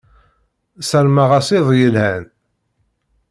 Sarmeɣ-as iḍ yelhan.